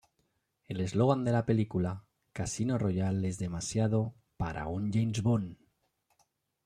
El eslogan de la película: "Casino Royale es demasiado... para un James Bond!